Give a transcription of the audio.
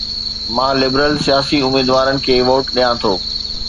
مان لبرل سياسي اميدوارن کي ووٽ ڏيان ٿو